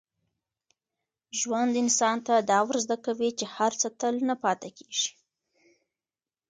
ژوند انسان ته دا ور زده کوي چي هر څه تل نه پاتې کېږي.